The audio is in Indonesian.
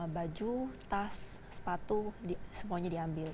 baju tas sepatu semuanya diambil